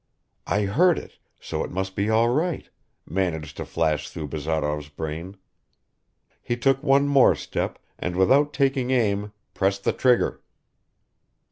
"I heard it, so it must be all right," managed to flash through Bazarov's brain. He took one more step, and without taking aim, pressed the trigger.